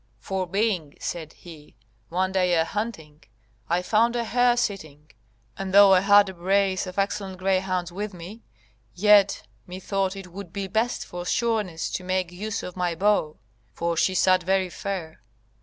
"For being," said he, "one day a hunting, I found a hare sitting, and though I had a brace of excellent greyhounds with me, yet methought it would be best for sureness to make use of my bow; for she sat very fair.